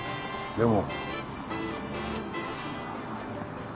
でも。